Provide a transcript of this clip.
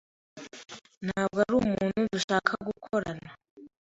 Ntabwo ari umuntu dushaka gukorana.